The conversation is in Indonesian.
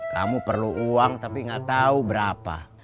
kamu perlu uang tapi gak tahu berapa